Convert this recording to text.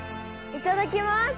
いただきます！